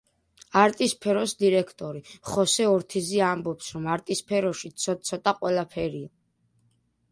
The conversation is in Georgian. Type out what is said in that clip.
არტისფეროს დირექტორი, ხოსე ორთიზი ამბობს, რომ არტისფეროში ცოტ-ცოტა ყველაფერია.